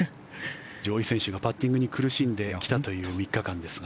上位選手がパッティングに苦しんできたという３日間ですが。